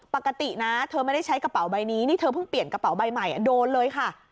ปกตินะเธอไม่ได้ใช้กระเป๋าใบนี้นี่เธอเพิ่งเปลี่ยนกระเป๋าใบใหม่โดนเลยค่ะ